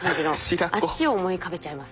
あっちを思い浮かべちゃいますね。